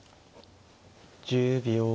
１０秒。